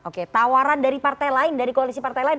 oke tawaran dari partai lain dari koalisi partai lain